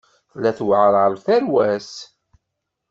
Tella tewεer ɣer tarwa-s.